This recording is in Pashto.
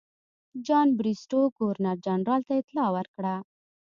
جان بریسټو ګورنر جنرال ته اطلاع ورکړه.